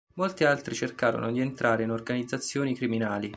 Molti altri cercarono di entrare in organizzazioni criminali.